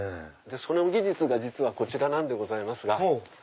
その技術が実はこちらなんでございますが。